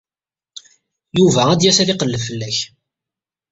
Yuba ad d-yas ad iqelleb fell-ak.